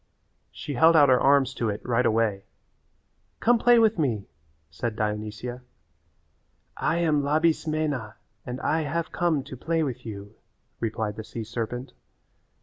She held out her arms to it right away. "Come play with me," said Dionysia. "I am Labismena and I have come to play with you," replied the sea serpent.